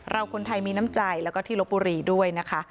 คนไทยมีน้ำใจแล้วก็ที่ลบบุรีด้วยนะคะ